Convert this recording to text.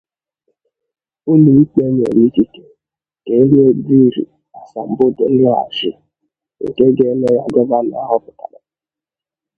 ỤLọ ikpe nyere ikike ka enye Diri asambodo nloghachi, nke ga-eme ya gọvanọ a họpụtara.